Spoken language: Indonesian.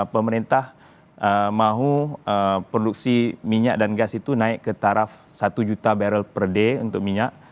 pemerintah mau produksi minyak dan gas itu naik ke taraf satu juta barrel per day untuk minyak